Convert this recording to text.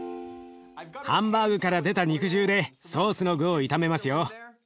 ハンバーグから出た肉汁でソースの具を炒めますよ。